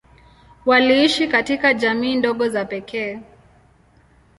Waliishi katika jamii ndogo za pekee.